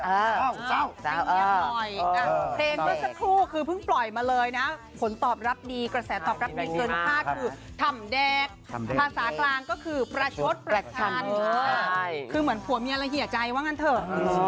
เงียบหน่อยเพลงเมื่อสักครู่คือเพิ่งปล่อยมาเลยนะผลตอบรับดีกระแสตอบรับดีเกินค่าคือทำแดงภาษากลางก็คือประชดประชันคือเหมือนผัวเมียละเหยียใจว่างั้นเถอะ